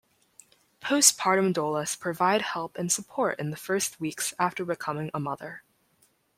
Postpartum doulas provide help and support in the first weeks after becoming a mother.